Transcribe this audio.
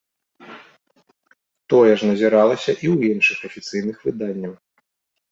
Тое ж назіралася і ў іншых афіцыйных выданняў.